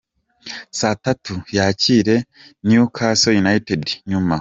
Saa tatu yakire Newcastle United ya nyuma.